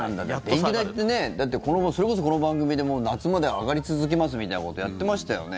電気代ってね、だってそれこそ、この番組でも夏まで上がり続けますみたいなことやってましたよね。